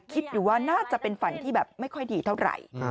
คิดอยู่ว่าน่าจะเป็นฝันที่แบบไม่ค่อยดีเท่าไหร่